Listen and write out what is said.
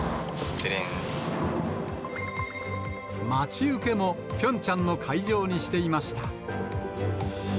待ち受けもピョンチャンの会場にしていました。